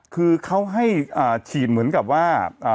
คือเขาให้ฉีดเหมือนกับว่า